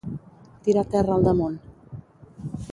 Tirar terra al damunt.